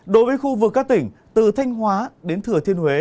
đối với khu vực các tỉnh từ thanh hóa đến thừa thiên huế